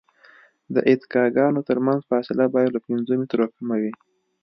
د اتکاګانو ترمنځ فاصله باید له پنځو مترو کمه وي